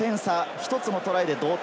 １つのトライで同点。